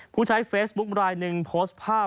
ผู้ใช้เฟซบุ๊คลายหนึ่งโพสต์ภาพ